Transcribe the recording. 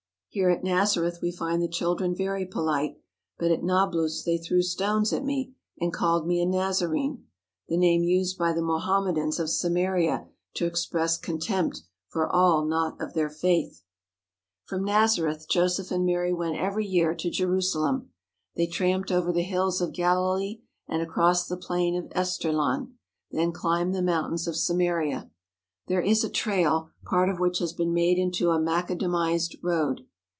Here at Naz areth we find the children very polite, but at Nablus they threw stones at me and called me a "Nazarene," the name used by the Mohammedans of Samaria to ex press contempt for all not of their faith. 185 THE HOLY LAND AND SYRIA From Nazareth, Joseph and Mary went every year to Jerusalem. They tramped over the hills of Galilee and across the plain of Esdraelon, then climbed the moun tains of Samaria. There is a trail, part of which has been made into a macadamized road.